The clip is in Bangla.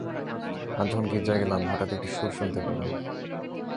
আজ যখন গির্জায় গেলাম, হঠাৎ একটি সুর গুনতে পেলাম।